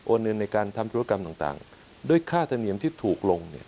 เงินในการทำธุรกรรมต่างด้วยค่าธรรมเนียมที่ถูกลง